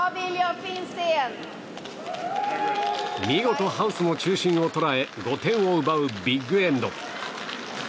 見事、ハウスの中心を捉え５点を奪うビッグエンド。